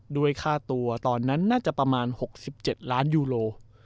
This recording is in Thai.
ด้วยค่าตัวตอนนั้นน่าจะประมาณ๖๗ล้านยูโร